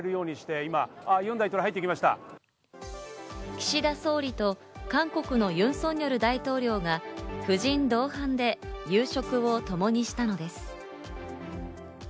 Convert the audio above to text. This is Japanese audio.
岸田総理と韓国のユン・ソンニョル大統領が夫人同伴で夕食をともにしたのです。